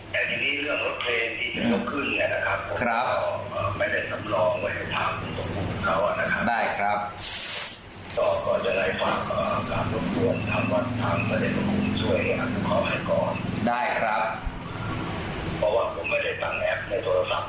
และทีนี้เรื่องรถเทที่ถูกขึ้นเดี๋ยวไม่ได้สำรอง